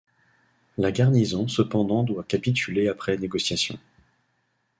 La garnison cependant doit capituler après négociation.